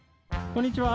こんにちは。